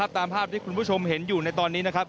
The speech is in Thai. ตามภาพที่คุณผู้ชมเห็นอยู่ในตอนนี้นะครับ